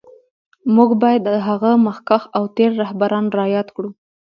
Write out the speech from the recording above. موږ باید هغه مخکښ او تېر رهبران را یاد کړو